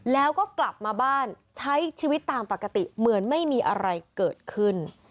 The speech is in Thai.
แล้วก็กลับมาบ้านใช้ชีวิตตามปกติเหมือนไม่มีอะไรเกิดขึ้น